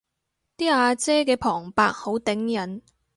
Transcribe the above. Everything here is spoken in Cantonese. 啲阿姐嘅旁白好頂癮